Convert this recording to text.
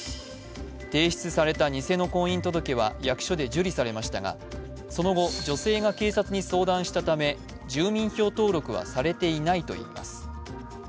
提出された偽の婚姻届は役所で受理されましたがその後、女性が警察に相談したため住民票登録はされていないといいます。